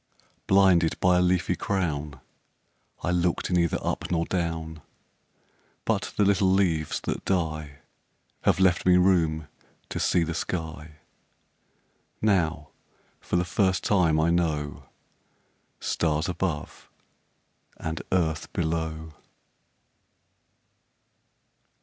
Blinded by a leafy crown I looked neither up nor down But the little leaves that die Have left me room to see the sky; Now for the first time I know Stars above and earth below.